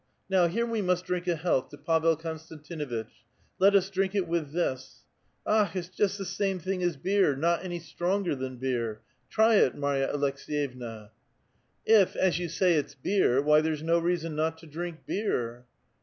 " Now, here we must drink a health to Pavel Konstan tinuitch. Let us drink it with this. Ale — it's just the same thing as beer, not any stronger than beer. Try it, Marya Aleks^*yevna." "If, as you say, it's beer, why, there's no reason not to drink beer."